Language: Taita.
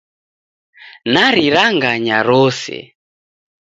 Nariranganya rose.